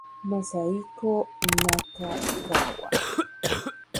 Masahiko Nakagawa